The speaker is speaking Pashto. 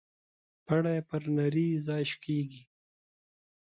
پړى پر نري ځاى شکېږي.